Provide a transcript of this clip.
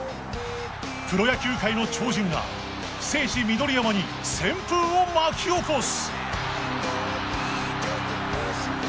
プロ野球界の超人が聖地緑山に旋風を巻き起こす！